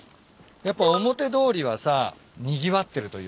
やっぱ表通りはさにぎわってるというかね